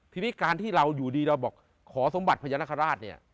ทีนี้การที่เราอยู่ดีเราบอกขอสมบัติพญานาคาราชเนี่ย